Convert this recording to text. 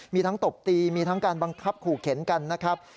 มีทั้งตบตีมีทั้งการบังคับขู่เข็นกันนะครับ